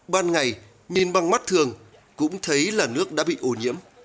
ban ngày nhìn bằng mắt thường cũng thấy là nước đã bị ổ nhiễm